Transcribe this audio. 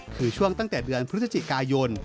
คือช่วงตั้งแต่เดือนพฤศจิกายน